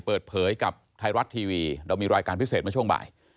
เปิดเผยกับไทยรัฐทีวีเรามีรายการพิเศษเมื่อช่วงบ่าย